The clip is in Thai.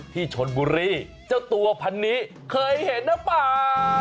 ที่ชนบุรีเจ้าตัวพันนี้เคยเห็นหรือเปล่า